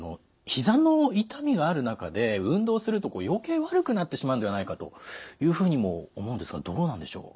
ひざの痛みがある中で運動すると余計悪くなってしまうんではないかというふうにも思うんですがどうなんでしょう？